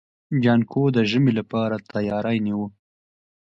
جانکو د ژمي لپاره تياری نيوه.